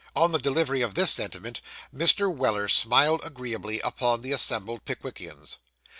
On the delivery of this sentiment, Mr. Weller smiled agreeably upon the assembled Pickwickians.